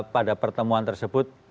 pada pertemuan tersebut